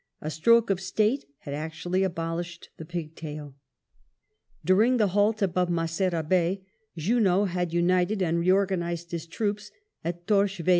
A stroke of state had actually abolished the pigtail ! During this halt above Maceira Bay Junot had united and reorganised his troops at Torres Vedras.